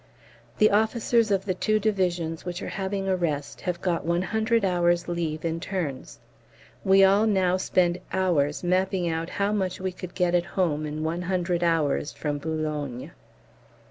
The officers of the two Divisions which are having a rest have got 100 hours' leave in turns. We all now spend hours mapping out how much we could get at home in 100 hours from Boulogne.